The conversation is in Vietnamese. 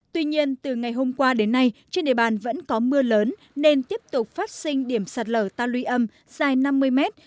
tuy nhiên từ ngày hôm qua đến nay trên địa bàn vẫn có mưa lớn nên tiếp tục phát sinh điểm sạt lở ta luy âm dài năm mươi mét